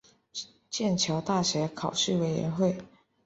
剑桥大学考试委员会